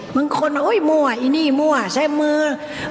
มึงควรโห้ยมัวอ่ะอันนี้มัวอ่ะใช้มือ